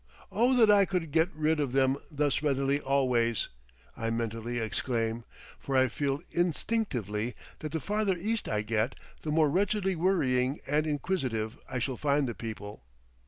"Oh, that I could get rid of them thus readily always!" I mentally exclaim; for I feel instinctively that the farther east I get, the more wretchedly worrying and inquisitive I shall find the people.